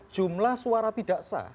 jumlah suara pidaksa